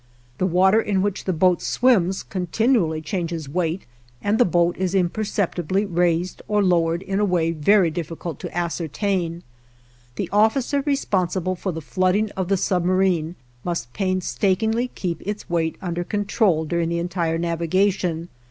The water in which the boat swims continually changes weight and the boat is imperceptibly raised or lowered in a way very difficult to ascertain. The officer responsible for the flooding of the submarine must painstakingly keep its weight under control during the entire navigation.